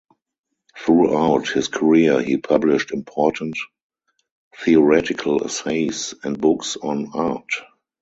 Throughout his career he published important theoretical essays and books on art.